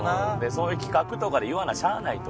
そういう企画とかで言わなしゃあないとか。